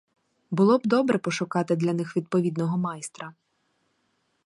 Було б добре пошукати для них відповідного майстра.